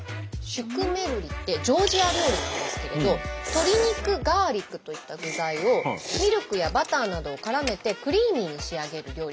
シュクメルリってジョージア料理なんですけれど鶏肉ガーリックといった具材をミルクやバターなどをからめてクリーミーに仕上げる料理。